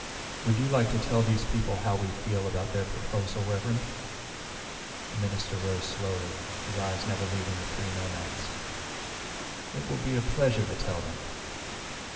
Would you like to tell these people how we feel about their proposal, Reverend?" The minister rose slowly, his eyes never leaving the three nomads. "It will be a pleasure to tell them."